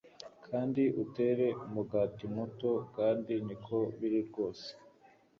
Kandi utere umugati muto kandi niko biri rwose